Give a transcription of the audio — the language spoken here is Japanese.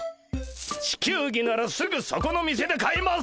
地球儀ならすぐそこの店で買えます！